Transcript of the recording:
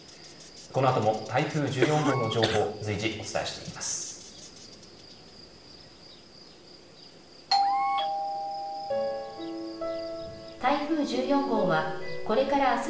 このあとも台風１４号の情報随時、お伝えしていきます。